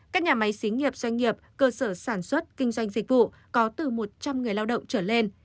các nhà máy xí nghiệp doanh nghiệp cơ sở sản xuất kinh doanh dịch vụ có từ một trăm linh người lao động trở lên